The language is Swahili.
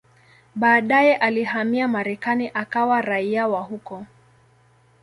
Baadaye alihamia Marekani akawa raia wa huko.